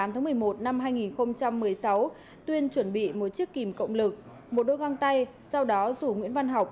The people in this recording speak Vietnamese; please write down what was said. một mươi tháng một mươi một năm hai nghìn một mươi sáu tuyên chuẩn bị một chiếc kìm cộng lực một đôi găng tay sau đó rủ nguyễn văn học